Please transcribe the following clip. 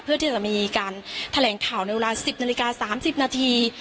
เพื่อที่จะมีการแถลงข่าวในเวลา๑๐นาฬิกา๓๐นาที